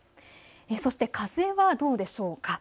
そして風はどうでしょうか。